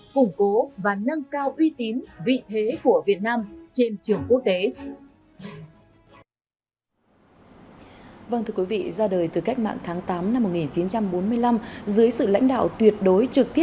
củng cố và nâng cao uy tín vị thế của việt nam trên trường quốc tế